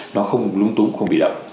nó không lung tung không bị đậm